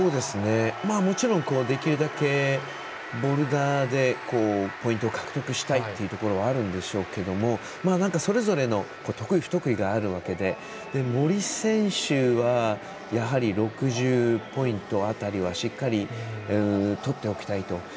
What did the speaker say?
もちろん、できるだけボルダーでポイントを獲得したいっていうところはあるんでしょうけれどもそれぞれの得意、不得意があるわけで、森選手はやはり、６０ポイントぐらいはしっかり取っておきたいと。